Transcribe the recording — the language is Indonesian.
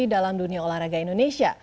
dalam dunia olahraga indonesia